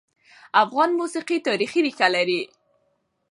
افغان موسیقي تاریخي ريښه لري.